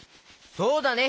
そうだね！